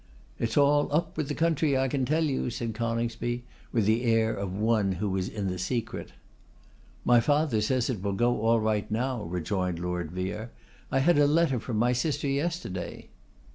'It is all up with the country, I can tell you,' said Coningsby, with the air of one who was in the secret. 'My father says it will all go right now,' rejoined Lord Vere. 'I had a letter from my sister yesterday.